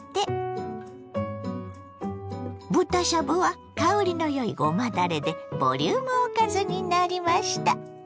豚しゃぶは香りのよいごまだれでボリュームおかずになりました。